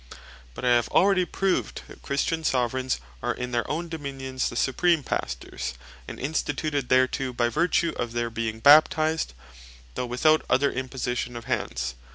But I have already proved, that Christian Soveraignes are in their owne Dominions the supreme Pastors, and instituted thereto, by vertue of their being Baptized, though without other Imposition of Hands.